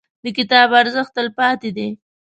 • د کتاب ارزښت، تلپاتې دی.